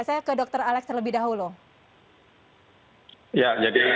saya ke dr alex terlebih dahulu